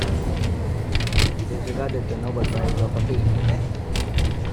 It is regarded the "Nobel Prize" of the field.